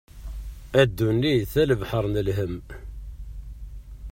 A ddunit a lebḥer n lhem.